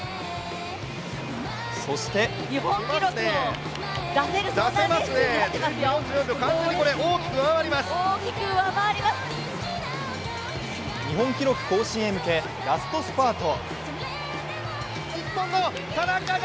そして日本記録更新へ向けラストスパート。